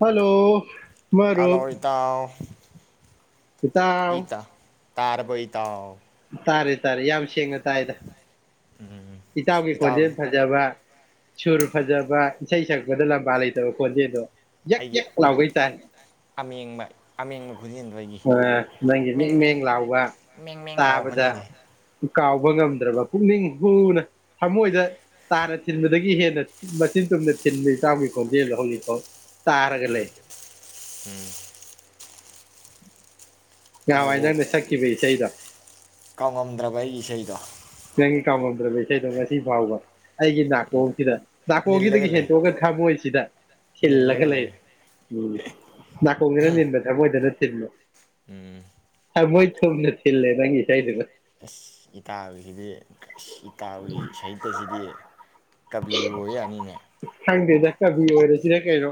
hello ꯃꯔꯨꯞ hello ꯏꯇꯥꯎ ꯏꯇꯥꯎ ꯇꯥꯔꯕꯣ ꯏꯇꯥꯎ ꯇꯥꯔꯦ ꯇꯥꯔꯦ ꯌꯥꯝ ꯁꯦꯡꯅ ꯇꯥꯏꯗ ꯏꯇꯥꯎꯒꯤ ꯏꯇꯥꯎ ꯈꯣꯟꯖꯦꯜ ꯐꯖꯕ ꯁꯨꯔ ꯐꯖꯕ ꯏꯁꯩ ꯁꯛꯄꯗ ꯂꯝꯕꯥ ꯂꯩꯇꯕ ꯈꯣꯟꯖꯦꯜꯗꯣ ꯌꯛ ꯑꯩꯒꯤ ꯌꯛ ꯂꯥꯎꯒꯩ ꯑꯃꯦꯡꯕ ꯑꯃꯦꯡꯕ ꯈꯨꯟꯖꯦꯜꯗꯣ ꯑꯩꯒꯤ ꯑ ꯅꯪꯒꯤ ꯃꯦꯡ ꯃꯦꯡ ꯂꯥꯎꯕ ꯃꯦꯡ ꯃꯦꯡ ꯂꯥꯎꯕ ꯇꯥꯕꯗ ꯈꯨꯟꯖꯦꯜꯁꯦ ꯀꯥꯎꯕ ꯉꯝꯗ꯭ꯔꯕ ꯄꯨꯛꯅꯤꯡ ꯍꯨꯅ ꯊꯃꯣꯏꯗ ꯇꯥꯅ ꯊꯤꯟꯕꯗꯒꯤ ꯍꯦꯟꯅ ꯃꯆꯤꯟ ꯇꯨꯝꯅ ꯊꯤꯟꯕ ꯏꯇꯥꯎꯒꯤ ꯈꯣꯟꯖꯦꯜꯗꯣ ꯍꯧꯖꯤꯛ ꯐꯥꯎ ꯇꯥꯔꯒ ꯂꯩ ꯎꯝ ꯅꯍꯥꯟꯋꯥꯏ ꯏꯇꯥꯎꯕꯨ ꯅꯪꯅ ꯁꯛꯈꯤꯕ ꯏꯁꯩꯗꯣ ꯀꯥꯎꯉꯝꯗ꯭ꯔꯕ ꯑꯩꯒꯤ ꯏꯁꯩꯗꯣ ꯅꯪꯒꯤ ꯀꯥꯎꯉꯝꯗ꯭ꯔꯕ ꯏꯁꯩꯗꯣ ꯉꯁꯤ ꯐꯥꯎꯕ ꯑꯩꯒꯤ ꯅꯥꯀꯣꯡꯁꯤꯗ ꯅꯥꯀꯣꯡꯁꯤꯗꯒꯤ ꯅꯤꯜꯂꯒ ꯂꯩ ꯍꯦꯟꯇꯣꯛꯑꯒ ꯊꯃꯣꯏꯁꯤꯗ ꯊꯤꯜꯂꯒ ꯅꯤꯜꯂꯒ ꯂꯩ ꯂꯩꯔꯦ ꯎꯝ ꯅꯥꯀꯣꯡꯁꯤꯅ ꯅꯤꯟꯕ ꯊꯃꯣꯏꯗꯅ ꯁꯤꯂꯣ ꯎꯝ ꯊꯃꯣꯏ ꯊꯨꯝꯅ ꯊꯤꯜꯂꯦ ꯅꯪꯒꯤ ꯏꯁꯩꯗꯨꯅ ꯑꯁ ꯏꯇꯥꯎꯁꯤꯗꯤ ꯑꯁ ꯏꯇꯥꯎꯒꯤ ꯁꯍꯤꯇꯁꯤꯗꯤ ꯀꯕꯤ ꯑꯣꯏ ꯌꯥꯅꯤꯅꯦ ꯈꯪꯗꯦꯗ ꯀꯕꯤ ꯑꯣꯏꯔꯁꯤꯅ ꯀꯩꯅꯣ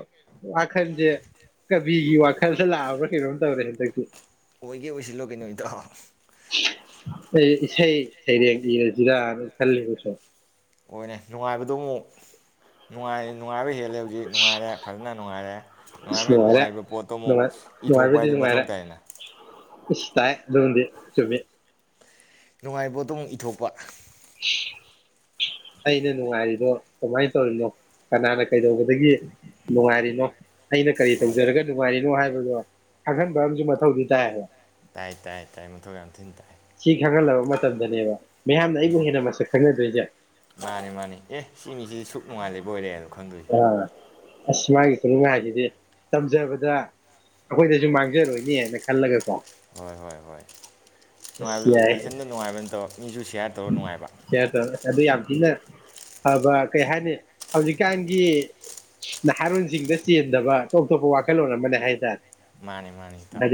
ꯋꯥꯈꯜꯁꯦ ꯀꯕꯤꯒꯤ ꯋꯥꯈꯜꯗ ꯂꯥꯛꯑꯕ꯭ꯔꯥ ꯀꯩꯅꯣꯝ ꯇꯧꯔꯦ ꯍꯟꯗꯛꯇꯤ ꯑꯣꯏꯒꯦ ꯑꯣꯏꯁꯤꯜꯂꯣ ꯀꯩꯅꯣ ꯏꯇꯥꯎ ꯑꯩ ꯏꯁꯩ ꯁꯩꯔꯦꯡ ꯏꯔꯁꯤꯔꯥꯅ ꯈꯜꯂꯤꯕꯁꯨꯝ ꯑꯣꯏꯅꯦ ꯅꯨꯡꯉꯥꯏꯕꯗꯣ ꯑꯃꯨꯛ ꯅꯨꯡꯉꯥꯏ ꯅꯨꯡꯉꯥꯏꯕ ꯍꯦꯜꯂ ꯈꯜꯂꯗꯤ ꯅꯨꯡꯉꯥꯏꯔꯦ ꯐꯖꯅ ꯅꯨꯡꯉꯥꯏꯔꯦ ꯅꯨꯡꯉꯥꯏ ꯅꯨꯡꯉꯥꯏꯔꯦ ꯅꯨꯡꯉꯥꯏꯔꯤꯕ ꯄꯣꯠꯇꯣ ꯑꯃꯨꯛ ꯅꯨꯡꯉꯥꯏ ꯏꯊꯣꯛꯄ ꯅꯨꯡꯉꯥꯏꯕꯗꯤ ꯍꯥꯏꯗ ꯃꯊꯧ ꯅꯨꯡꯉꯥꯏꯔꯦ ꯇꯥꯏꯌꯦꯅ ꯏꯁ ꯇꯥꯏ ꯑꯗꯨꯃꯗꯤ ꯆꯨꯝꯃꯤ ꯅꯨꯡꯉꯥꯏꯕ ꯑꯗꯨ ꯑꯃꯨꯛ ꯏꯊꯣꯛꯄ ꯑꯩꯅ ꯅꯨꯡꯉꯥꯏꯔꯤꯗꯣ ꯀꯃꯥꯏꯅ ꯇꯧꯔꯤꯅꯣ ꯀꯅꯥꯅ ꯀꯩꯗꯧꯕꯗꯒꯤ ꯅꯨꯡꯉꯥꯏꯔꯤꯅꯣ ꯑꯩꯅ ꯀꯔꯤ ꯍꯣꯏ ꯇꯧꯖꯔꯒ ꯅꯨꯡꯉꯥꯏꯔꯤꯅꯣ ꯍꯥꯏꯕꯗꯣ ꯈꯪꯍꯟꯕ ꯑꯃꯁꯨ ꯃꯊꯧꯗꯤ ꯇꯥꯏꯌꯦꯕ ꯇꯥꯏ ꯇꯥꯏ ꯇꯥꯏ ꯃꯊꯧ ꯌꯥꯝ ꯊꯤꯅꯥ ꯇꯥꯏ ꯁꯤ ꯈꯪꯍꯜꯂꯕ ꯃꯇꯝꯗꯅꯦꯕ ꯃꯤꯌꯥꯝꯅ ꯑꯩꯕꯨ ꯎꯝ ꯍꯦꯟꯅ ꯃꯁꯛ ꯈꯪꯅꯗꯣꯏꯁꯦ ꯃꯥꯅꯤ ꯃꯥꯅꯤ ꯑꯦ ꯁꯤꯃꯤꯁꯤ ꯁꯨꯨꯞ ꯅꯨꯡꯉꯥꯏꯅ ꯂꯩꯕꯨ ꯕꯣꯏꯔꯦꯅ ꯀꯅꯥꯅ ꯑꯁ ꯃꯥꯒꯤ ꯈꯨꯅꯨꯡ ꯍꯥꯏꯁꯤꯗꯤ ꯇꯝꯖꯕꯗ ꯑꯩꯈꯣꯏꯗꯁꯨ ꯃꯥꯡꯖꯔꯣꯏꯅꯦꯅ ꯈꯜꯂꯒꯀꯣ ꯍꯣꯏ ꯍꯣꯏ ꯍꯣꯏ ꯅꯨꯡꯉꯥꯏꯕꯗꯨ ꯏꯊꯟꯗ ꯅꯨꯡꯉꯥꯏꯕ ꯅꯥꯇꯕ ꯀꯥꯌꯥ ꯇꯧꯅꯤꯡꯉꯛꯑꯥꯗꯤ ꯌꯥꯝ ꯊꯤꯅꯥ ꯑꯕ ꯀꯩ ꯍꯥꯏꯅꯤ ꯍꯧꯖꯤꯛꯀꯥꯟꯒꯤ ꯅꯍꯥꯔꯣꯟꯁꯤꯡꯗ ꯆꯦꯟꯗꯕ ꯑꯣꯞꯇꯣꯞꯄ ꯋꯥꯈꯜꯂꯣꯟ ꯑꯃꯅꯦ ꯍꯥꯏꯇꯥꯔꯦ ꯃꯥꯅꯤ ꯃꯥꯅꯤ ꯏꯇꯥꯑꯣ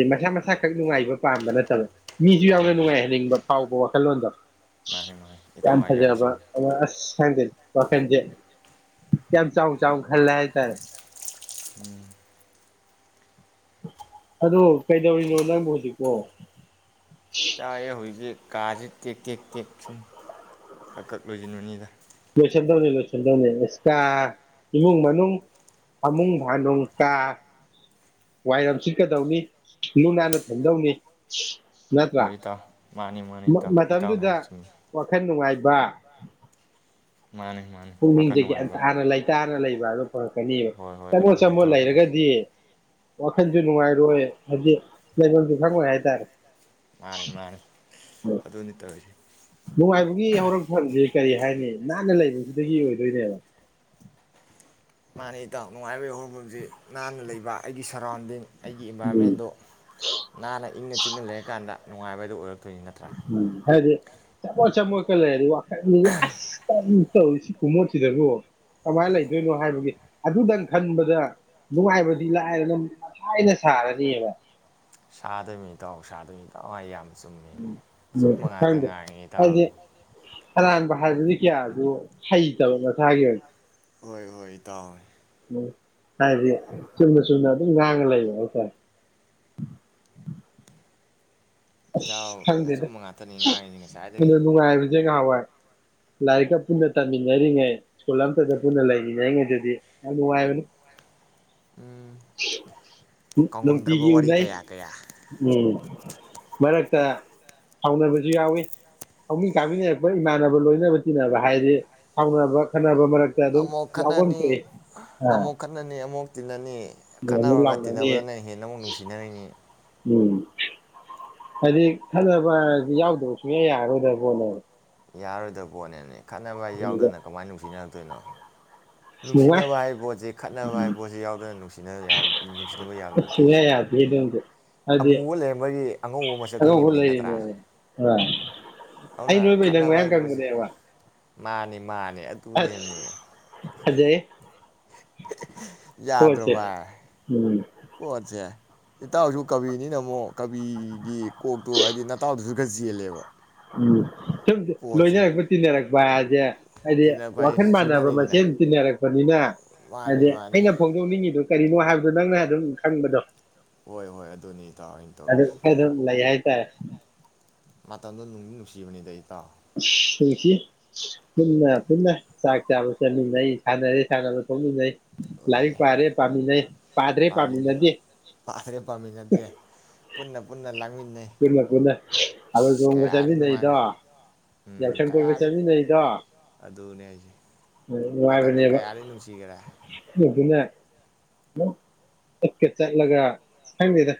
ꯁꯛ ꯅꯨꯡꯉꯥꯏꯕ ꯄꯥꯝꯕ ꯅꯠꯇꯕ ꯃꯤꯁꯨ ꯌꯥꯝꯅ ꯃꯥꯅꯤ ꯅꯨꯡꯉꯥꯏꯍꯟꯅꯤꯡꯕ ꯐꯥꯎꯕ ꯋꯥ ꯀꯜꯣꯟꯗ ꯃꯥꯅꯤ ꯃꯥꯅꯤ ꯏꯇꯥꯎ ꯌꯥꯝꯝ ꯍꯥꯏ ꯌꯥꯝ ꯐꯖꯕꯥ ꯆꯨꯝꯃꯤ ꯑ ꯑꯁ ꯈꯪꯗꯦ ꯋꯥꯈꯜꯁꯤ ꯌꯥꯝ ꯆꯥꯎꯅ ꯆꯥꯎꯅ ꯈꯥꯜꯂꯦ ꯍꯥꯏ ꯇꯥꯔꯦ ꯎꯝ ꯑꯗꯨ ꯀꯩꯗꯧꯔꯤꯅꯣ ꯅꯪꯕꯨ ꯍꯧꯖꯤꯛꯄꯣ ꯇꯥꯏꯌꯦ ꯍꯧꯖꯤꯛꯇꯤ ꯀꯥꯁꯦ ꯇꯦꯛ ꯇꯦꯛ ꯇꯦꯛ ꯁꯨꯝ ꯀꯛꯀꯛꯂꯣꯏꯖꯤꯜꯕꯅꯤꯅꯥ ꯂꯣꯏꯁꯟꯗꯧꯅꯤ ꯂꯣꯏꯁꯤꯟꯗꯧꯅꯤ ꯑꯦꯁ ꯀꯥ ꯏꯃꯨꯡ ꯃꯅꯨꯡ ꯐꯃꯨꯡ ꯐꯥꯅꯨꯡ ꯀꯥ ꯋꯥꯏꯔꯝ ꯁꯤꯠꯀꯗꯧꯅꯤ ꯂꯨ ꯅꯥꯟꯅ ꯊꯝꯗꯧꯅꯤ ꯅꯠꯇ꯭ꯔꯥ ꯍꯣꯏ ꯏꯇꯥꯎ ꯃꯥꯅꯤ ꯃꯥꯅꯤ ꯏꯇꯥꯎ ꯏꯇꯥꯎꯅ ꯃꯇꯝꯗꯨꯗ ꯍꯥꯏꯕ ꯆꯨꯝꯃꯤ ꯋꯥꯈꯜ ꯅꯨꯡꯉꯥꯏ ꯋꯥ ꯃꯥꯅꯤ ꯃꯥꯅꯤ ꯋꯥꯈꯜ ꯄꯨꯛꯅꯤꯡꯁꯤ ꯅꯨꯡꯉꯥꯏꯕ ꯒꯌ꯭ꯥꯟꯇꯥꯅꯥ ꯂꯩꯇꯥꯅ ꯂꯩꯕ ꯑꯗꯨ ꯐꯪꯂꯛꯀꯅꯦꯕꯥ ꯍꯣꯏ ꯍꯣꯏ ꯆꯥꯃꯣꯠ ꯑꯗꯨꯅꯤ ꯆꯥꯃꯣꯠ ꯊꯣꯛꯂꯛꯀꯗꯣꯏꯁꯦ ꯂꯩꯔꯒꯗꯤ ꯋꯥꯈꯟꯁꯨ ꯅꯨꯡꯉꯥꯏꯔꯣꯏ ꯍꯧꯖꯤꯛ ꯂꯩꯕꯁꯨ ꯈꯪꯉꯣꯏ ꯍꯥꯏꯇꯥꯔꯦ ꯃꯥꯅꯤ ꯃꯥꯅꯤ ꯑꯗꯨꯅꯤ ꯇꯧꯔꯤꯁꯦ ꯅꯨꯡꯉꯥꯏꯕꯒꯤ ꯍꯧꯔꯛꯐꯝꯁꯦ ꯀꯔꯤ ꯍꯥꯏꯅꯤ ꯅꯥꯟꯅ ꯂꯩꯕꯁꯤꯗꯒꯤ ꯑꯣꯏꯗꯣꯏꯅꯦꯕ ꯃꯥꯅꯦ ꯏꯇꯥꯎ ꯅꯨꯡꯉꯥꯏꯕꯒꯤ ꯍꯧꯔꯛꯐꯝꯁꯤ ꯅꯥꯟꯅ ꯂꯩꯕ ꯑꯩꯒꯤ ꯁꯛ ꯁꯔꯥꯎꯟꯗꯤꯡ ꯑꯩꯒꯤ ꯎꯝ ꯏꯟꯚꯥꯏꯔꯣꯟꯃꯦꯟꯗꯣ ꯅꯥꯟꯅ ꯏꯪꯅ ꯆꯤꯛꯅ ꯂꯩꯔꯛꯀꯥꯟꯗ ꯅꯨꯡꯉꯥꯏꯕꯗꯨ ꯑꯣꯏꯔꯛ ꯎꯝ ꯍꯥꯏꯗꯤ ꯆꯃꯣꯠ ꯆꯃꯣꯠꯀ ꯂꯩꯔꯗꯤ ꯋꯥꯈꯜꯅꯤ ꯑꯁ ꯀ ꯇꯧꯔꯤ ꯁꯤ ꯈꯨꯃꯣꯠꯁꯤꯗꯕꯨ ꯀꯃꯥꯏꯅ ꯂꯩꯗꯣꯏꯅꯣ ꯍꯥꯏꯕꯒꯤ ꯑꯗꯨꯗꯪ ꯈꯟꯕꯗ ꯅꯨꯡꯉꯥꯏꯕꯗꯤ ꯂꯥꯏꯔꯗꯥꯅꯥ ꯃꯊꯥ ꯍꯦꯟꯅꯥ ꯁꯥꯔꯅꯦꯕꯥ ꯁꯥꯗꯣꯏꯅꯤ ꯇꯥꯎ ꯁꯥꯗꯣꯏꯅꯤ ꯇꯧ ꯑꯩ ꯌꯥꯝ ꯆꯨꯝꯃꯤꯅꯦ ꯎꯃ ꯑꯆꯨꯝꯕ ꯉꯥꯛꯇ ꯈꯪꯗꯦ ꯉꯥꯡꯉꯤ ꯍꯥꯏꯗꯤ ꯏꯇꯥꯎꯒꯤ ꯑꯔꯟꯕ ꯍꯟꯅꯗꯤ ꯀꯌꯥꯁꯨ ꯍꯩꯇꯕ ꯃꯁꯥꯒꯤ ꯍꯣꯏ ꯍꯣꯏ ꯏꯇꯧ ꯎꯝ ꯍꯥꯏꯗꯤ ꯆꯨꯝꯅ ꯆꯨꯝꯅ ꯑꯗꯨꯝ ꯉꯥꯡꯉ ꯂꯩꯕ ꯍꯥꯏꯇꯥꯏ ꯑꯁ ꯏꯇꯥꯎ ꯈꯪꯗꯦꯗ ꯑꯆꯨꯝꯕ ꯉꯥꯛꯇꯅꯤ ꯉꯥꯡꯉꯤꯁꯤ ꯉꯁꯥꯏꯗꯒꯤ ꯅꯨꯡꯉꯥꯏꯕꯁꯦ ꯉꯍꯥꯏ ꯋꯥꯏ ꯂꯥꯏꯔꯤꯛꯀ ꯄꯨꯟꯅ ꯇꯝꯃꯤꯟꯅꯔꯤꯉꯩ ꯁ꯭ꯀꯨꯜ ꯑꯝꯇꯗ ꯄꯨꯟꯅ ꯂꯩꯃꯤꯟꯅꯔꯤꯉꯩꯗꯗꯤ ꯌꯥꯝ ꯅꯨꯡꯉꯥꯏꯔꯝꯃꯤ ꯎꯝ ꯀꯥꯎꯉꯝꯗ꯭ꯔꯕ ꯅꯨꯡꯇꯤꯒꯤ ꯋꯥꯔꯤ ꯎꯅꯩ ꯀꯌꯥ ꯀꯌꯥ ꯎꯝ ꯃꯔꯛꯇ ꯁꯥꯎꯅꯕꯁꯨ ꯌꯥꯎꯋꯤ ꯍꯧꯃꯤꯟ ꯀꯥꯃꯤꯟꯅꯔꯛꯄ ꯏꯃꯥꯟꯅꯕ ꯂꯣꯏꯅꯕ ꯇꯤꯟꯅꯕ ꯍꯥꯏꯗꯤ ꯁꯥꯎꯅꯕ ꯈꯠꯅꯕ ꯃꯔꯛ ꯑꯃꯨꯛ ꯈꯠꯅꯅꯤ ꯑꯃꯨꯛ ꯈꯠꯅꯅꯤ ꯑꯃꯨꯛ ꯇꯤꯟꯅꯅꯤ ꯑꯃꯨꯛ ꯈꯠꯅꯍꯔꯨꯔꯒ ꯂꯥꯎꯅꯅꯤ ꯇꯤꯟꯅꯕꯗꯅ ꯍꯦꯟꯅ ꯑꯃꯨꯛ ꯅꯨꯡꯁꯤꯅꯔꯤꯅꯤ ꯎꯝ ꯍꯥꯏꯗꯤ ꯈꯠꯅꯕ ꯍꯥꯏꯔꯗꯤ ꯌꯥꯎꯗꯕ ꯁꯨꯡꯌꯥ ꯌꯥꯔꯔꯣꯏꯗꯕ ꯄꯣꯠꯅꯦꯕ ꯌꯥꯔꯔꯣꯏꯗꯕ ꯄꯣꯠꯅꯦꯃꯤ ꯈꯠꯅꯕ ꯍꯥꯏ ꯑꯗꯨꯗ ꯌꯥꯎꯗꯅ ꯀꯃꯥꯏ ꯅꯨꯡꯁꯤꯅ ꯗꯣꯏꯅꯣ ꯑꯁ ꯅꯨꯡꯉꯥꯏ ꯅꯨꯡꯁꯤꯅꯕ ꯍꯥꯏꯕ ꯄꯣꯠꯁꯤ ꯈꯠꯅꯕ ꯍꯥꯏꯕ ꯄꯣꯠꯁꯤ ꯌꯥꯎꯗꯅ ꯅꯨꯡꯁꯤꯅ ꯅꯨꯡꯁꯤꯅꯕ ꯌꯥꯕ ꯑꯁ ꯅꯠꯇꯦ ꯁꯨꯡꯌꯥ ꯌꯥꯗꯦ ꯑꯗꯨꯝꯗꯤ ꯍꯥꯏꯗꯤ ꯑꯃꯨꯕ ꯂꯩꯔꯝꯕꯒꯤ ꯑꯉꯧꯕ ꯃꯁꯛ ꯑꯉꯧꯕ ꯈꯪꯉꯤꯕꯅꯤ ꯅꯠꯇ꯭ꯔꯥ ꯂꯩꯔꯤꯅꯦꯕ ꯑ ꯑꯩ ꯑꯗꯨꯅ ꯅꯣꯏꯕꯩ ꯈꯠꯅꯕ ꯃꯌꯥꯡ ꯍꯥꯏꯕ ꯄꯣꯠꯁꯤ ꯀꯪꯕꯅꯦꯕ ꯃꯥꯅꯤ ꯃꯥꯅ ꯑꯗꯨꯅꯦꯃꯤ ꯑꯁ ꯐꯖꯩ ꯌꯥꯗ꯭ꯔꯣ ꯄꯣꯠꯁꯦ ꯚꯥꯏ ꯎꯝ ꯄꯣꯠꯁꯦ ꯏꯇꯥꯎꯁꯨ ꯀꯕꯤꯅꯤꯅ ꯃꯨꯛ ꯀꯕꯤꯒꯤ ꯀꯣꯛꯇꯣ ꯍꯥꯏꯗꯤ ꯅꯇꯥꯎꯗꯁꯨ ꯒ ꯆꯦꯟꯂꯦꯕ ꯎꯝ ꯁꯨꯝ ꯂꯣꯏꯅꯔꯛꯄ ꯇꯤꯟꯅꯔꯛꯄ [unintelligible] ꯍꯥꯏꯗꯤ ꯑꯗꯨꯅ ꯑꯩꯈꯣꯏ ꯋꯥꯈꯜ ꯃꯥꯟꯅꯕ ꯆꯨꯅꯔꯛꯏꯗꯅ ꯃꯁꯦꯟ ꯇꯤꯟꯅꯔꯛꯄꯅꯤꯅ ꯃꯥꯅꯤ ꯍꯥꯏꯗꯤ ꯃꯥꯅꯤ ꯑꯩꯅ ꯐꯣꯡꯗꯣꯛꯅꯤꯡꯉꯤꯗꯨ ꯀꯔꯤꯅꯣ ꯍꯥꯏꯕꯗꯣ ꯅꯪꯅ ꯑꯗꯨꯝ ꯈꯪꯕꯗꯣ ꯍꯣꯏ ꯍꯣꯏ ꯑꯗꯨꯅꯤ ꯏꯇꯥꯎ ꯑꯩꯅ ꯑꯗꯨ ꯇꯧꯔꯤꯁꯤ ꯑꯗꯨꯝ ꯂꯩ ꯍꯥꯏꯇꯥꯔꯦ ꯃꯇꯝꯗꯣ ꯅꯨꯡꯗꯤ ꯅꯨꯡꯁꯤꯕꯅꯤꯗ ꯏꯇꯥꯎ ꯅꯨꯡꯁꯤ ꯄꯨꯟꯅ ꯄꯨꯟꯅ ꯆꯥꯛ ꯆꯥꯕ ꯆꯠꯃꯤꯟꯅꯩ ꯁꯥꯟꯅꯔꯦ ꯁꯥꯟꯅꯕꯥ ꯊꯣꯛꯃꯤꯟꯅꯩ ꯍꯣꯏ ꯂꯥꯏꯔꯤꯛ ꯄꯥꯔꯦ ꯄꯥꯃꯤꯟꯅꯩ ꯄꯥꯗ꯭ꯔꯦ ꯄꯥꯝꯃꯤꯟꯅꯩ ꯄꯥꯃꯤꯟꯅꯗꯦ ꯄꯥꯗ꯭ꯔꯦ ꯄꯥꯝꯃꯤꯟꯅꯗꯦ ꯄꯨꯟꯅ ꯄꯨꯟꯅ ꯂꯥꯡꯃꯤꯟꯅꯩ ꯄꯨꯟꯅ ꯄꯨꯟꯅ ꯊꯕꯜ ꯑꯁ ꯆꯣꯡꯕ ꯀꯌꯥꯗꯤ ꯆꯠꯃꯤꯟꯅꯩꯗꯣ ꯅꯨꯡꯉꯥꯏꯈ꯭ꯔꯦ ꯌꯥꯎꯁꯪ ꯀꯣꯏꯕ ꯆꯠꯃꯤꯟꯅꯩꯗꯣ ꯗꯨꯅꯦ ꯍꯥꯏꯁꯦ ꯃꯇꯝꯗꯣ ꯅꯨꯡꯉꯥꯏꯕꯅꯦꯕ ꯀꯌꯥꯗꯤ ꯅꯨꯡꯁꯤꯒꯔꯦ ꯑꯗꯨꯅ ꯆꯠꯀ ꯆꯠꯂꯒ ꯈꯪꯗꯦꯗ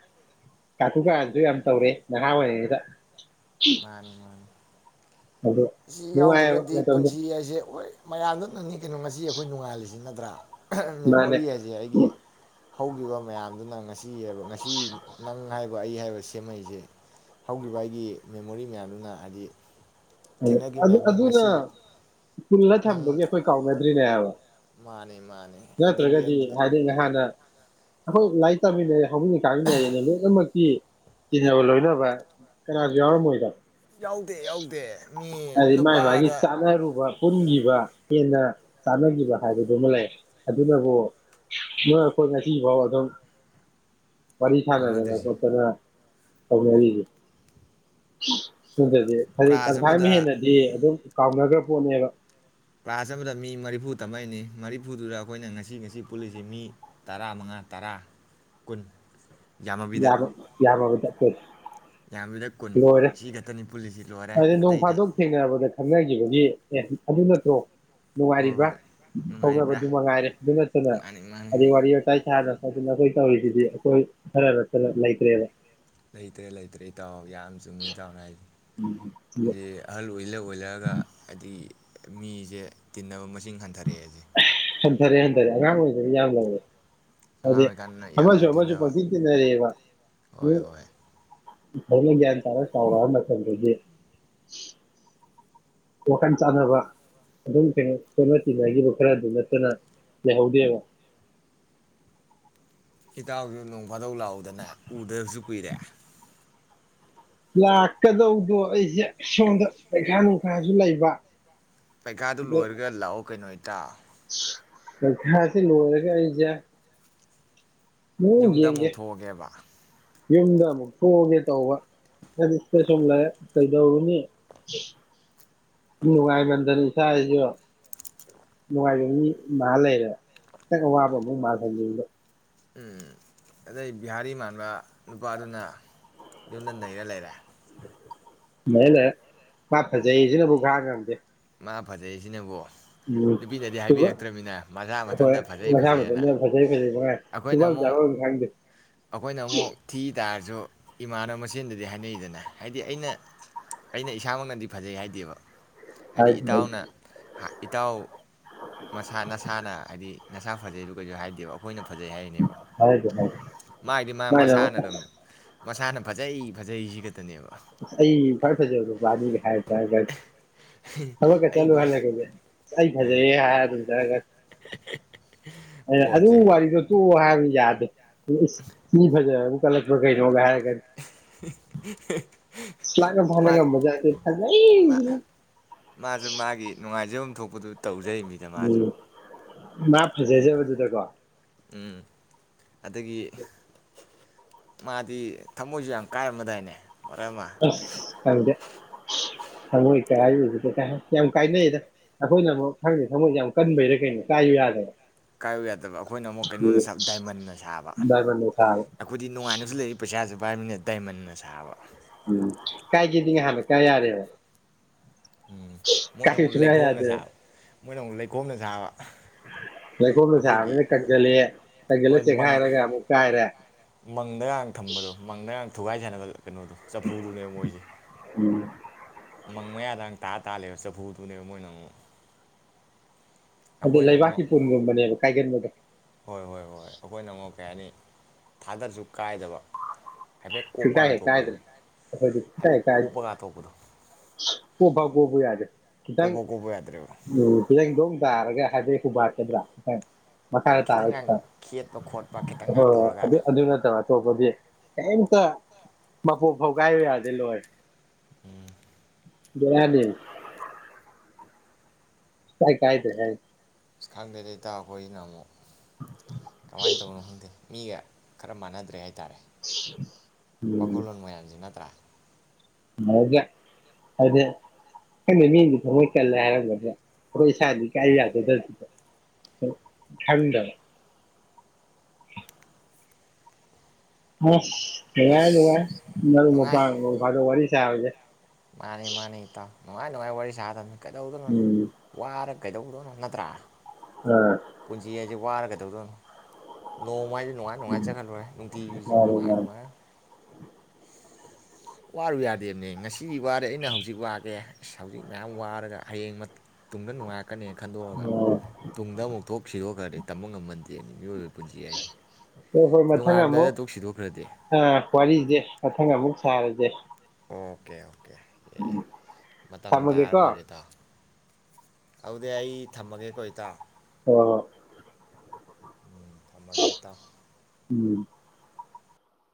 ꯀꯥꯇꯨ ꯀꯥꯔꯟꯁꯨ ꯌꯥꯝ ꯇꯧꯔꯦ ꯅꯍꯥ ꯑꯣꯏꯔꯤꯉꯩꯗ ꯃꯥꯅꯤ ꯃꯥꯅꯤ ꯑꯗꯨ ꯁꯤ ꯅꯨꯡꯉꯥꯏꯕ ꯌꯥꯎꯗ꯭ꯔꯒꯗꯤ ꯃꯇꯝꯗꯣ ꯄꯨꯟꯁꯤ ꯍꯥꯏꯁꯦ ꯍꯣꯏ ꯃꯌꯥꯝ ꯗꯨ ꯅꯪꯏ ꯀꯩꯅꯣ ꯉꯁꯤ ꯑꯩꯈꯣꯏ ꯅꯨꯉꯥꯏꯍꯜꯂꯤꯁꯤ ꯁꯤꯖꯤꯟꯅꯗ꯭ꯔꯥ ꯃꯥꯅꯦ ꯃꯦꯃꯣꯔꯤ ꯍꯥꯏꯁꯦ ꯍꯥꯏꯗꯤ ꯍꯧꯈꯤꯕ ꯃꯌꯥꯝꯗꯨꯅ ꯉꯁꯤ ꯁꯤꯕ ꯉꯁꯤ ꯅꯪ ꯍꯥꯏꯕ ꯑꯗꯨꯒ ꯑꯩ ꯍꯥꯏꯕ ꯁꯦꯝꯃꯛꯏꯁꯦ ꯍꯧꯈꯤꯕ ꯑꯩꯒꯤ ꯃꯦꯃꯣꯔꯤ ꯃꯌꯥꯝꯗꯨꯅ ꯍꯥꯏꯗꯤ ꯑꯣ ꯊꯦꯡꯅꯈꯤ ꯑꯗꯨ ꯃꯌꯥꯝꯗꯨꯅ ꯑꯗꯨꯅ ꯉꯁꯤ ꯄꯨ ꯄꯨꯜꯟꯅ ꯊꯝꯕꯒꯤ ꯑꯩꯈꯣꯏ ꯀꯥꯎꯅꯗ꯭ꯔꯤꯅꯦ ꯍꯥꯏꯕ ꯃꯥꯅꯤ ꯃꯥꯅꯦ ꯑꯗꯒꯤ ꯅꯠꯇ꯭ꯔꯒꯗꯤ ꯑꯗꯨꯗ ꯍꯥꯏꯗꯤ ꯍꯥꯟꯅ ꯑꯩꯈꯣꯏ ꯂꯥꯏꯔꯤꯛ ꯇꯥꯃꯤꯟꯅꯔꯦ ꯍꯧꯃꯤꯟꯅꯩ ꯀꯥꯃꯤꯟꯅꯔꯦꯅ ꯂꯣꯏꯅꯃꯛꯀꯤ ꯆꯤꯟꯅꯕ ꯂꯣꯏꯅꯕ ꯀꯅꯥꯁꯨ ꯌꯥꯎꯔꯝꯃꯣꯏꯗ ꯌꯥꯎꯗꯦ ꯌꯥꯎꯗꯦ ꯃꯤ ꯑꯗꯨꯗꯤ ꯃꯥꯥꯏ ꯃꯥꯒꯤ ꯅꯨꯄꯥꯗ ꯆꯥꯅꯔꯨꯕ ꯄꯨꯟꯈꯤꯕ ꯍꯦꯟꯅ ꯆꯥꯅꯈꯤꯕ ꯍꯥꯏꯕꯗꯨꯃ ꯂꯩ ꯑꯗꯨꯅꯕꯨ ꯅꯣꯏ ꯑꯩꯈꯣꯏ ꯉꯁꯤ ꯐꯥꯎ ꯑꯗꯨꯝ ꯋꯥꯔꯤꯁꯥꯅꯗꯅ ꯀꯥꯎꯅꯗ꯭ꯔꯤꯁꯤ ꯈꯣꯠꯇꯅ ꯇꯧꯅꯔꯤꯁꯤ ꯅꯠꯇ꯭ꯔꯗꯤ ꯍꯥꯏꯗꯤ ꯀ꯭ꯂꯥꯁ [unintelligible] ꯊꯃ ꯑꯃꯗ ꯍꯦꯟꯅꯗꯤꯌꯦ ꯑꯗꯨꯝ ꯀꯥꯎꯅꯈ꯭ꯔ ꯄꯣꯠꯅꯦꯕ ꯀ꯭ꯂꯥꯁ ꯑꯃꯗ ꯃꯤ ꯃꯔꯤꯐꯨ ꯇꯝꯃꯛꯏꯅꯤ ꯃꯔꯤꯐꯨꯗꯨꯗ ꯑꯩꯈꯣꯏꯅ ꯉꯁꯤ ꯉꯁꯤ ꯄꯨꯜꯂꯤꯁꯤ ꯃꯤ ꯇꯔꯥ ꯃꯉꯥ ꯇꯔꯥ ꯀꯨꯟ ꯌꯥꯕ ꯌꯥꯝꯃꯕꯅꯤ ꯆꯠꯇꯣꯏ ꯌꯥꯝꯕꯗ ꯀꯨꯟ ꯁꯤ ꯈꯛꯇꯅꯤ ꯄꯨꯜꯂꯤꯁꯤ ꯂꯣꯏꯔꯦ ꯑꯗꯨ ꯅꯣꯡ ꯑꯇꯩꯗꯤ ꯐꯥꯗꯣꯛ ꯊꯦꯡꯅꯕꯗ ꯈꯪꯅꯈꯤꯕꯒꯤ ꯑꯦ ꯑꯗꯨ ꯅꯠꯇ꯭ꯔꯣ ꯍꯣꯏ ꯅꯨꯡꯉꯥꯏꯔꯤꯕ꯭ꯔꯥ ꯍꯣꯏ ꯅꯨꯡꯉꯥꯏꯔꯤꯕ꯭ꯔꯥ ꯀꯧꯅꯕꯗꯨ ꯃꯉꯥꯏꯔꯦ ꯑꯗꯨ ꯅꯠꯇꯅ ꯃꯥꯅꯤ ꯃꯥꯅꯤ ꯑꯗꯩ ꯋꯥꯔꯤ ꯋꯥꯇꯥꯏ ꯁꯥꯥꯅ ꯑꯗꯨꯅ ꯑꯩꯈꯣꯏ ꯇꯧꯔꯤꯁꯤꯗꯤ ꯑꯩꯈꯣꯏ ꯈꯔꯒ ꯆꯠꯂ ꯂꯩꯇ꯭ ꯔꯦꯕ ꯂꯩꯇ꯭ꯔꯦ ꯂꯩꯇ꯭ꯔꯦ ꯏꯇꯥꯎ ꯌꯥꯝ ꯆꯨꯝꯃꯤ ꯏꯇꯥꯎꯅ ꯍꯥꯏꯁꯦ ꯑꯗꯤ ꯑꯍꯜ ꯑꯣꯏ ꯂꯧ ꯕꯣꯏꯂꯔꯒ ꯍꯥꯏꯗꯤ ꯃꯤꯁꯦ ꯇꯤꯟꯅꯕ ꯃꯁꯤꯡ ꯍꯟꯊꯔꯦ ꯍꯟꯊꯥꯔꯦ ꯍꯟꯊꯥꯔꯦ ꯑꯉꯥꯡ ꯑꯣꯏ ꯌꯥ ꯇꯦ ꯑꯉꯥꯡ ꯑꯗꯦ ꯑꯣꯏꯔꯤꯀꯥꯟꯗꯅ ꯌꯥꯝ ꯑꯃꯁꯨ ꯌꯥꯝ ꯑꯃꯁꯨ ꯄ ꯇꯤꯟꯅꯕ ꯆꯤꯟꯇꯅꯔꯦ ꯏꯕ ꯍꯣꯏ ꯎꯝ ꯍꯣꯏ ꯐꯂ ꯟ ꯇꯔ ꯆꯥꯎꯥꯎ ꯅ ꯆꯟ꯭ꯔꯒꯤ ꯋꯥꯈꯜ ꯆꯥꯟꯅꯕ ꯑꯗꯨꯝ ꯀꯩꯅꯣ ꯁꯣꯠꯅ ꯇꯤꯟꯅꯈꯤꯕ ꯈꯔꯗꯨ ꯅꯠꯇꯅ ꯂꯩꯍꯧꯗꯦꯕ ꯀꯤꯇꯥꯕ ꯌ ꯂꯣꯡ ꯃꯙꯧ ꯂꯥꯛꯎꯗꯅ ꯎꯗꯕꯁꯨ ꯀꯨꯏꯔꯦ ꯂꯥꯛꯀꯗꯧꯗꯣ ꯑꯩꯁꯦ ꯁꯣꯝꯗ ꯄꯩꯈꯥ ꯅꯨꯡꯈꯥꯁꯨ ꯂꯩꯕ ꯄꯩꯈꯥꯗꯨ ꯂꯣꯏꯔꯒ ꯂꯥꯛꯑꯣ ꯀꯩꯅꯣꯗ ꯇ ꯈꯁꯤ ꯂꯔꯖ ꯌꯨꯝꯗ ꯑꯃꯨꯛꯊꯣꯛꯑꯒꯦꯕ ꯌꯨꯝꯗ ꯑꯃꯨꯛ ꯊꯣꯛꯑꯒꯦ ꯇꯧꯕ ꯍꯥꯏ ꯁꯨꯝ ꯂꯩ ꯀꯩꯗꯧꯔꯨꯅꯤ ꯃꯤ ꯋꯥꯥꯏꯕꯟꯗꯅꯤ ꯏꯁꯁꯤꯁꯨ ꯅꯨꯡꯉꯥꯏꯕ ꯃꯤ ꯃꯍꯥ ꯂꯩꯔꯦ ꯈꯤꯇꯪ ꯑꯋꯥꯕ ꯑꯃꯨꯛ ꯃꯥꯥꯜ ꯊꯪꯖꯕꯗꯣ ꯎꯝ ꯑꯗꯩ ꯕꯤꯍꯥꯔꯤ ꯃꯥꯟꯕ ꯅꯨꯄꯥꯗꯨꯅ ꯌꯨꯝꯗ ꯅꯩꯔ ꯂꯩꯔꯦ ꯃꯅꯦ ꯃꯥ ꯐꯖꯩꯁꯤꯅꯕꯨ ꯈꯔ ꯉꯝꯗꯦ ꯃꯥ ꯐꯖꯩꯁꯤꯅꯕꯣ ꯎꯝ ꯅꯨꯄꯤꯅꯗꯤ ꯑꯗꯨꯒ ꯍꯥꯏꯕꯤꯔꯛꯇ꯭ꯔꯕꯅꯤꯅ ꯃꯁꯥ ꯍꯣꯏ ꯃꯊꯟꯇ ꯐꯖꯩ ꯃꯁꯥ ꯐꯖꯩꯑꯅ ꯃꯊꯟꯇ ꯐꯖꯩ ꯐꯖꯩ ꯃꯉꯥꯏ ꯑꯩꯈꯣꯏꯅ ꯇꯨꯐꯝ ꯑꯃꯨꯛ ꯆꯥꯐꯝ ꯈꯪꯗꯦ ꯑꯩꯈꯣꯏꯅ ꯑꯃꯨꯛ ꯊꯤ ꯇꯥꯔꯁꯤ ꯁ ꯏꯃꯥꯅꯕ ꯃꯆꯦꯟꯗꯗꯤ ꯍꯥꯏꯅꯩꯗꯅ ꯍꯥꯏꯗꯤ ꯑꯩꯅ ꯑꯩꯅ ꯏꯁꯥꯃꯛꯅꯗꯤ ꯐꯖꯩ ꯍꯥꯏꯗꯦꯕ ꯍꯥꯏꯗꯤ ꯏꯇꯥꯎꯅ ꯏꯇꯥꯎ ꯃꯁꯥ ꯅꯁꯥꯅ ꯍꯥꯏꯗꯤ ꯅꯁꯥ ꯐꯖꯩꯗꯨ ꯀꯩꯁꯨ ꯍꯥꯏꯗꯦꯕ ꯑꯩꯈꯣꯏꯅ ꯐꯖꯩ ꯍꯥꯏꯔꯤꯅꯦꯕ ꯍꯥꯏꯗꯤ ꯍꯥꯏ ꯃꯥꯒꯤꯗꯤ ꯃꯥ ꯃꯥꯅ ꯑꯃꯨꯛ ꯃꯁꯥꯅ ꯑꯁ ꯑꯗꯨꯝ ꯃꯁꯥꯅ ꯐꯖꯩ ꯐꯖꯩꯁꯤꯒ ꯑꯩ ꯐꯔꯐꯦꯖ ꯍꯥꯏ ꯇꯒ ꯊꯕꯛꯀ ꯑꯩ ꯆꯠꯂꯨ ꯈ꯭ꯋꯥꯏ ꯍꯥꯏꯜꯂ ꯑꯩꯈꯁꯦ ꯑꯁ ꯑꯩ ꯐꯖꯩꯑꯦ ꯍꯥꯏꯔ ꯑꯗꯨꯝ ꯆꯠꯂꯒ ꯑꯩꯅ ꯑꯗꯨ ꯄꯣꯠꯁꯦ ꯋꯥꯔꯤꯗꯣ ꯇ ꯋꯥꯍ ꯌꯥꯗ ꯌꯦ ꯃꯤ ꯐꯖ ꯀꯂꯛꯄ ꯀꯩ ꯔꯣꯂ ꯍꯥꯏ [inaudible] ꯒ ꯃꯥ ꯐꯒ ꯃꯖꯦ ꯊꯖ ꯃꯥ ꯑꯗꯨꯗꯨꯠ ꯇꯧꯖꯔꯤ ꯃꯤꯗ ꯃꯥꯁꯨ ꯃꯥ ꯎꯝ ꯐꯖꯖꯕꯗꯨꯗꯀꯣ ꯎꯝ ꯑꯗꯒꯤ ꯃꯥꯗꯤ ꯊꯃꯣꯏꯁꯨ ꯌꯥꯝ ꯀꯥꯏꯔꯝꯃꯗꯥꯏꯅꯦ ꯃꯔꯛ ꯑꯃ ꯑꯁ ꯈꯪꯗꯦ ꯊꯃꯣꯏ ꯀꯥꯏꯕꯁꯤꯗ ꯌꯥꯝ ꯀꯥꯏꯅꯩꯗ ꯑꯩꯈꯣꯏꯅ ꯑꯃꯨꯛ ꯈꯪꯗꯦ ꯊꯃꯣꯏꯁꯦ ꯌꯥꯝ ꯀꯟꯕꯩꯔ ꯀꯩꯅꯣ ꯀꯥꯏꯌꯨ ꯌꯥꯗꯕ ꯀꯥꯏꯌꯨ ꯌꯥꯗꯕ ꯑꯩꯈꯣꯏꯅ ꯑꯃꯨꯛ ꯀꯩꯅꯣꯅ ꯗꯥꯏꯃꯟꯅ ꯁꯥꯕ ꯗꯥꯏꯃꯟꯅ ꯁꯥꯕ ꯑꯩꯈꯣꯏꯗꯤ ꯅꯨꯡꯉꯥꯏꯅꯁꯨ ꯂꯩꯔꯤ ꯄꯩꯁꯥꯁꯨ ꯄꯥꯏꯕꯅꯤꯅ ꯗꯥꯏꯃꯟꯅ ꯁꯥꯕ ꯎꯝ ꯀꯥꯏꯒꯦꯗꯤ ꯅꯍꯥꯟꯟ ꯀꯥꯏ ꯌꯥꯔꯦꯕ ꯎꯝ ꯃꯣꯏꯅ ꯀꯥꯏꯌꯨ ꯑꯃꯨꯛ ꯁꯨꯡꯌꯥ ꯂꯩꯈꯣꯝꯅ ꯌꯥꯗꯦ ꯁꯥꯕ ꯃꯣꯏꯅ ꯑꯃꯨꯛ ꯂꯩꯈꯣꯝꯅ ꯁꯥꯕ ꯂꯩꯈꯣꯝꯅ ꯑꯩꯈꯣꯏꯒꯤ ꯁꯥꯕꯅꯤꯅ ꯀꯛꯁꯤꯜꯂꯦ ꯀꯛꯁꯤꯜꯂ ꯍꯣꯏ ꯃꯪ ꯆꯦꯈꯥꯏꯔꯒ ꯑꯃꯨꯛ ꯀꯥꯏꯔꯦ ꯃꯪꯗꯒ ꯊꯝꯕꯗꯣ ꯃꯪꯗꯒ ꯊꯨꯒꯥꯏ ꯁꯥꯅꯕꯗꯣ ꯀꯩꯅꯣꯗꯣ ꯆꯐꯨꯗꯨꯅꯦꯕ ꯃꯣꯏꯁꯦ ꯎꯝ ꯃꯪ ꯃꯌꯥꯗ ꯇꯥ ꯇꯥꯔꯒ ꯂꯩꯕ ꯆꯐꯨꯗꯨꯅꯦꯕ ꯃꯣꯏꯅ ꯑꯃꯨꯛ ꯑꯗꯩ ꯑꯩꯈꯣꯏꯅ ꯑꯃꯨꯛ ꯂꯩꯕꯥꯛꯀꯤ ꯄꯨꯟꯒꯨꯝꯕꯅꯦꯕ ꯀꯥꯏꯒꯟꯕꯗꯣ ꯍꯣꯏ ꯍꯣꯏ ꯍꯣꯏꯣꯏ ꯑꯩꯈꯣꯏꯅ ꯑꯃꯨꯛ ꯀꯩ ꯍꯥꯏꯅꯤ ꯊꯥꯗꯔꯁꯨ ꯀꯥꯏꯗꯕ ꯍꯥꯏꯐꯦꯠ ꯁꯨ ꯀꯣꯞꯄ ꯀꯥꯏ ꯍꯦꯛ ꯍꯥꯡꯇꯣꯛꯄꯗꯣ ꯀꯥꯏꯗ꯭ꯔꯦ ꯑꯩꯈꯣꯏꯗꯤ ꯁꯨꯀꯥꯏ ꯍꯥꯏꯐꯦꯠ ꯍꯦꯛ ꯀꯥꯏꯗ꯭ꯔꯦ ꯀꯣꯞꯄ ꯉꯥꯛꯊꯣꯛꯄꯗꯣ ꯀꯣꯞꯐꯥꯎ ꯐꯥꯎ ꯀꯣꯞꯄꯨ ꯌꯥꯗ꯭ꯔꯦ ꯈꯤꯇꯪ ꯀꯣꯞꯄ ꯀꯣꯞꯄ ꯌꯥꯗ꯭ꯔꯦꯕ ꯇꯥꯔꯒ ꯍꯥꯏꯗꯤ ꯍꯨꯕꯥꯠ ꯀꯗ꯭ꯔ ꯈꯤꯇꯪ ꯍꯣꯏ ꯃꯈꯥꯗ ꯇꯥꯔ ꯈꯤꯇꯪꯒ ꯈꯦꯠꯄ ꯈꯣꯠꯄ ꯈꯤꯇꯪꯒ ꯍꯣꯏ ꯍꯣꯏ ꯇꯧꯔꯒ ꯑꯗꯨ ꯑꯗꯨ ꯅꯠꯇꯕ ꯑꯇꯣꯞꯄꯗꯤ ꯃꯄꯣꯞ ꯐꯥꯎ ꯀꯥꯏꯌꯨ ꯌꯥꯗꯦ ꯂꯣꯏꯔꯦ ꯎꯝ ꯚꯦꯔꯥꯅꯤꯃꯦ ꯁꯨ ꯀꯥꯏ ꯀꯥꯏꯗ꯭ꯔꯦ ꯍꯥꯏꯃꯤ ꯑꯁ ꯈꯪꯗꯦꯗ ꯏꯇꯥꯎ ꯑꯩꯈꯣꯏꯁꯤꯅ ꯑꯃꯨꯛ ꯀꯃꯥꯏꯅ ꯇꯧꯕꯅꯣ ꯈꯪꯗꯦ ꯃꯤꯒ ꯈꯔ ꯃꯥꯟꯅꯗ꯭ꯔꯦ ꯍꯥꯏ ꯍꯥꯏꯇꯥꯔꯦ ꯋꯥꯈꯜꯂꯣꯟ ꯃꯌꯥꯝꯁꯤ ꯅꯠꯇ꯭ꯔꯥ ꯃꯥꯅꯗꯔꯦ ꯍꯥꯏꯗꯤ ꯑꯩꯈꯣꯏꯅ ꯃꯤꯒꯤ ꯊꯃꯣꯏ ꯀꯟꯂꯦ ꯍꯥꯏꯔꯝꯒꯗ꯭ꯔ ꯑꯩꯈꯣꯏ ꯏꯁꯥꯅꯗꯤ ꯀꯥꯏꯌꯨ ꯌꯥꯖꯗꯕꯤꯗꯣ ꯈꯟꯗꯕ ꯑꯁ ꯅꯨꯡꯉꯥꯏꯔꯦ ꯑꯁ ꯅꯨꯡꯉꯥꯏꯔꯦ ꯃꯔꯨꯞ ꯅꯨꯡꯉꯥꯏ ꯃꯄꯥꯡ ꯅꯣꯡ ꯐꯥꯗꯣꯛ ꯋꯥꯔꯤ ꯌꯥꯕꯖꯦ ꯃꯥꯅꯤ ꯃꯥꯅꯤ ꯏꯇꯥꯎ ꯅꯉꯥꯏꯅꯨꯡꯉꯥꯏ ꯋꯥꯔꯤ ꯁꯥꯒꯗꯝ ꯀꯩꯗꯧꯗꯅꯣ ꯎꯝ ꯋꯥꯔ ꯀꯩꯗꯧꯗꯣꯅꯣ ꯅꯠꯇ꯭ꯔꯥ ꯑꯥ ꯄꯨꯟꯁꯤ ꯍꯥꯏꯖꯦ ꯋꯥꯔꯒ ꯀꯗꯧꯗꯣꯏꯅꯣ ꯅꯣꯡꯃꯥꯏ ꯅꯨꯡꯉꯥꯏ ꯅꯨꯡꯉꯥꯏ ꯎꯝ ꯆꯠꯈ ꯂꯣꯏꯔꯦ ꯅꯨꯡꯇꯤꯒꯤꯖꯨ ꯃꯥꯅꯤ ꯅꯨꯡꯉꯥꯏꯔ ꯃꯥꯅꯤ ꯅꯨꯡꯉꯥꯏꯔ ꯋꯥꯔꯨ ꯌꯥꯗꯦꯝꯅꯦ ꯉꯁꯤꯗꯤ ꯋꯥꯔꯦ ꯑꯩꯅ ꯍꯧꯖꯤꯛ ꯋꯥꯒꯦ ꯑꯁ ꯍꯧꯖꯤꯛ ꯃꯌꯥꯝ ꯋꯥꯔꯒ ꯍꯌꯦꯡ ꯇꯨꯡꯗ ꯅꯨꯡꯉꯥꯏ ꯀꯅꯦ ꯈꯟꯗꯣꯛꯑꯒ ꯑꯣ ꯇꯨꯡꯗ ꯑꯃꯨꯛ ꯊꯣꯛ ꯁꯤꯗꯣꯛꯈ꯭ꯔꯗꯤ ꯇꯝꯕ ꯉꯝꯕ ꯅꯠ ꯌꯦ ꯃꯤꯑꯣꯏ ꯍꯣꯏ ꯍꯣꯏ ꯃꯊꯪ ꯑꯃꯨꯛ ꯇꯣꯛ ꯁꯤꯗꯣꯛꯈ꯭ꯔꯗꯤ ꯑꯥ ꯋꯥꯔꯤꯁꯦ ꯃꯊꯪ ꯑꯃꯨꯛ ꯁꯥꯔꯁꯦ ꯑꯣꯀꯦ ꯑꯦ ꯊꯝꯃꯒꯦ ꯀꯣ ꯍꯧꯗꯤ ꯑꯩ ꯊꯝꯃꯒꯦꯀꯣ ꯏꯇꯥꯎ ꯑꯣ ꯎꯝ ꯊꯝꯃꯒꯦ ꯏꯇꯥꯎ ꯎꯝ